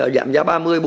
giảm giá ba mươi bốn mươi